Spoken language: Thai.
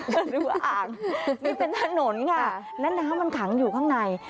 แล้วดูว่าอ่างนี่เป็นถนนค่ะและน้ำมันขังอยู่ข้างใน